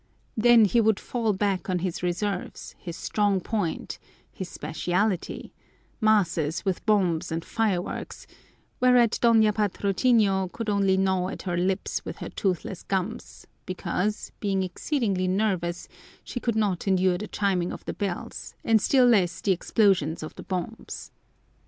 Then he would fall back on his reserves, his strong point, his specialty masses with bombs and fireworks; whereat Doña Patrocinia could only gnaw at her lips with her toothless gums, because, being exceedingly nervous, she could not endure the chiming of the bells and still less the explosions of the bombs.